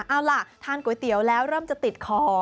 เอาล่ะทานก๋วยเตี๋ยวแล้วเริ่มจะติดคอ